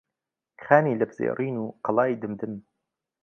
خانی لەپزێڕین و قەڵای دمدم